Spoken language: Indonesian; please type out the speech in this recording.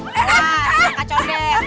nah nangka condet